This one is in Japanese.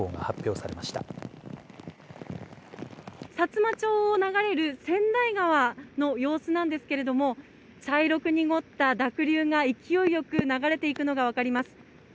さつま町を流れる川内川の様子なんですけれども、茶色く濁った濁流が勢いよく流れていくのが分かります。